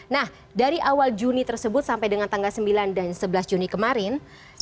nah dari awal juni tersebut sampai dengan tanggal sembilan dan sebelas juni kemarin